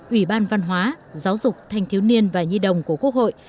ủy ban văn hóa giáo dục thanh thiếu niên và nhi đồng của quốc hội